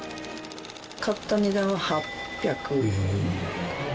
買った値段は８００万。